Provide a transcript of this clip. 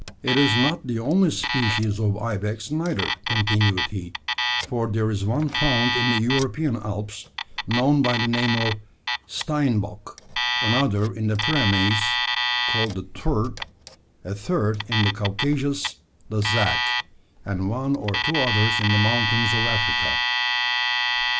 "It is not the only species of ibex neither," continued he, "for there is one found in the European Alps, known by the name of `steinboc;' another, in the Pyrenees, called the `tur;' a third, in the Caucasus, the `zac;' and one or two others in the mountains of Africa.